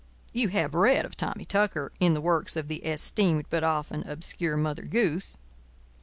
You have read of Tommy Tucker in the works of the esteemed but often obscure Mother Goose.